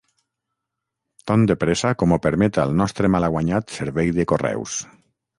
Tan de pressa com ho permeta el nostre malaguanyat servei de correus...